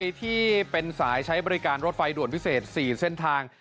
ที่เป็นสายใช้บริการรถไฟด่วนพิเศษ๔เส้นทาง